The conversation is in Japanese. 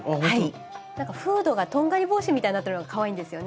フードがとんがり帽子みたいになってるのがかわいいんですよね